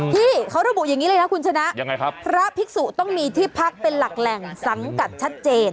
ที่เขาระบุอย่างนี้เลยนะคุณชนะยังไงครับพระภิกษุต้องมีที่พักเป็นหลักแหล่งสังกัดชัดเจน